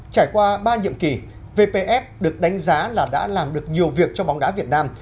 trải qua ba nhiệm kỳ vpf được đánh giá là đã làm được nhiều việc cho bóng đá việt nam